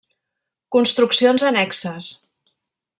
Construccions annexes.